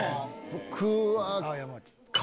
僕は。